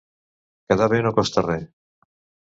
Quedar bé no costa res.